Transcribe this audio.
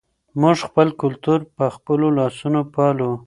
موږ خپل کلتور په خپلو لاسونو پالو.